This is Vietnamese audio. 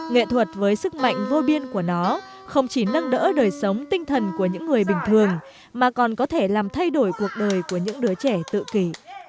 nghệ thuật với sức mạnh vô biên của nó không chỉ nâng đỡ đời sống tinh thần của những người bình thường mà còn có thể làm thay đổi cuộc đời của những đứa trẻ tự kỷ